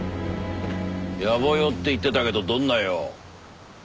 野暮用って言ってたけどどんな用？